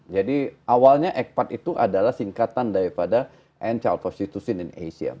jadi awalnya ecpat itu adalah singkatan daripada end child prostitution in asia